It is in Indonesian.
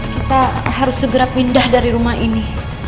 kita harus segera pindah dari rumah ini